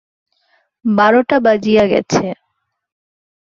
বারোটা বাজিয়া গেছে।